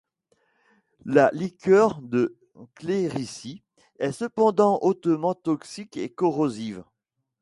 La liqueur de Clérici est cependant hautement toxique et corrosive.